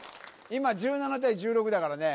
今１７対１６だからね